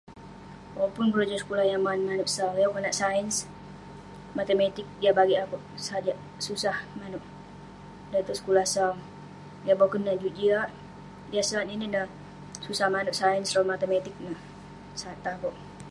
Owk pelajaran yah man manuek sau yang neh konak saints matematik yah bagik akuek sajak susah manuek dan tong sekulah sau yah boken ineh juk jiak yah sat inen neh susah manuek sain rawah matematik sat tong akuek